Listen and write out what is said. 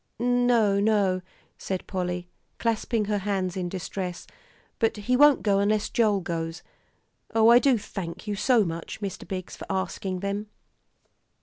"No no," said Polly, clasping her hands in distress, "but he won't go unless Joel goes. Oh, I do thank you so much, Mr. Biggs, for asking them."